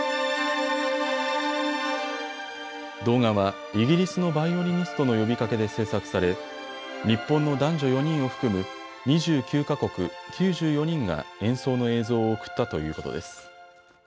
動画はイギリスのバイオリニストの呼びかけで制作され日本の男女４人を含む、２９か国、９４人が演奏の映像を送ったということです。